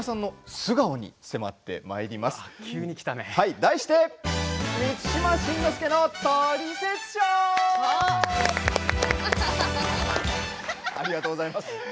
笑い声ありがとうございます。